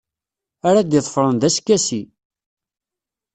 Ara d-iḍefren d askasi.